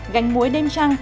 gánh muối đêm trăng